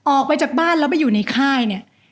ออกไปจากบ้านแล้วไปอยู่ในค่ายเนี่ย